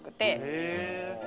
へえ。